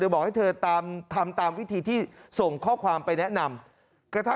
บอกให้เธอตามทำตามวิธีที่ส่งข้อความไปแนะนำกระทั่ง